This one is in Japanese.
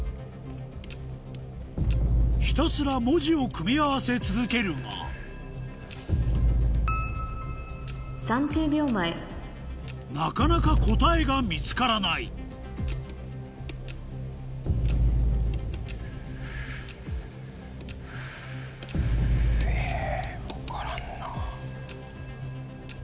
ひたすら文字を組み合わせ続けるが３０秒前なかなか答えが見つからないふぅ。